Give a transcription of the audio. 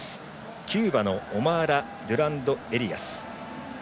キューバのオマーラ・ドゥランドエリアス。